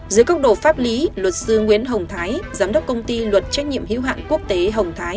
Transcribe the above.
giữa cốc độ pháp lý luật sư nguyễn hồng thái giám đốc công ty luật trách nhiệm hữu hạn quốc tế hồng thái